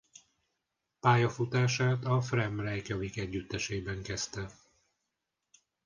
Pályafutását a Fram Reykjavík együttesében kezdte.